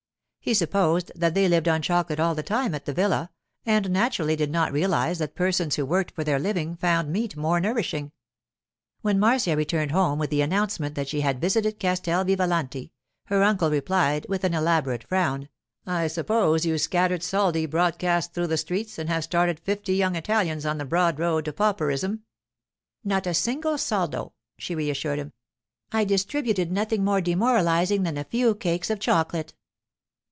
He supposed that they lived on chocolate all the time at the villa, and naturally did not realize that persons who worked for their living found meat more nourishing. When Marcia returned home with the announcement that she had visited Castel Vivalanti, her uncle replied, with an elaborate frown, 'I suppose you scattered soldi broadcast through the streets, and have started fifty young Italians on the broad road to Pauperism' 'Not a single soldo!' she reassured him. 'I distributed nothing more demoralizing than a few cakes of chocolate.